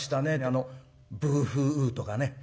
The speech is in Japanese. あの「ブーフーウー」とかね